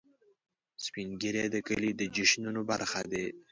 سپین ږیری د کلي د جشنونو برخه دي